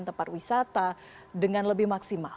tempat wisata dengan lebih maksimal